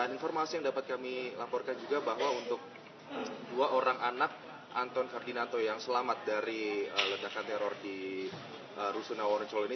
ini laporkan juga bahwa untuk dua orang anak anton ferdinando yang selamat dari ledakan teror di rusunawa wonocolo ini